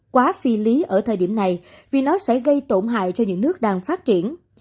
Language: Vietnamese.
quá phi lý ở thời điểm này vì nó sẽ gây tổn hại cho những nước đang phát triển